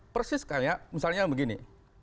persis kayak misalnya begini